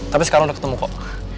tapi sekarang udah ketemu kok